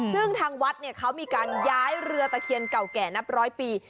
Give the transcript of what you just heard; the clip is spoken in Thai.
ซึ่งทางวัดเขามีการย้ายเรือตะเคียนเก่าแก่นับร้อยปี